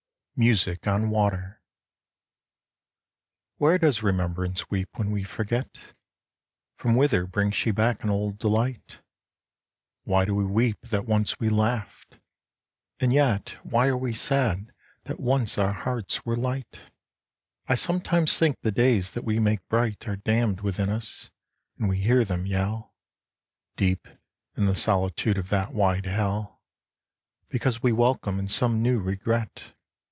MUSIC ON WATER Where does Remembrance weep when we forget ? From whither brings she back an old delight ? Why do we weep that once we laughed? and yet Why are we sad that once our hearts were light? I sometimes think the days that we made bright Are damned within us, and we hear them yell, Deep in the solitude of that wide hell, Because we welcome in some new regret.